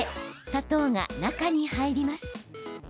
砂糖が中に入ります。